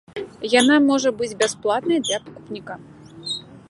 Яна можа быць бясплатнай для пакупніка.